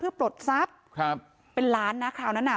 ปลดทรัพย์ครับเป็นล้านนะคราวนั้นอ่ะ